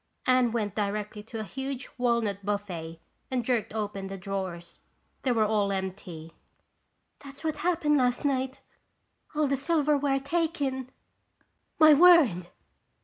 Anne went directly to a huge walnut buffet and jerked open the drawers. They were all empty. "That's what happened last night. All the silverware taken!" "My word!"